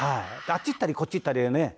あっち行ったりこっち行ったり。